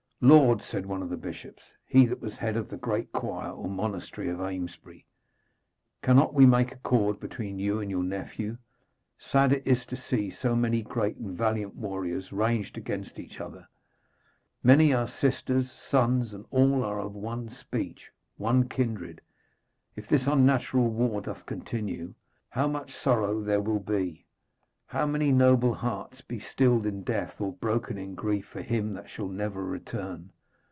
'Lord,' said one of the bishops, he that was head of the great choir or monastery of Amesbury, 'cannot we make accord between you and your nephew? Sad it is to see so many great and valiant warriors ranged against each other. Many are sisters' sons, and all are of one speech, one kindred. If this unnatural war doth continue, how much sorrow there will be, how many noble hearts be stilled in death or broken in grief for him that shall never return!